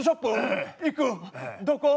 どこ？